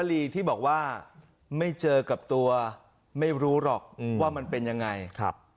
ลีที่บอกว่าไม่เจอกับตัวไม่รู้หรอกว่ามันเป็นยังไงครับ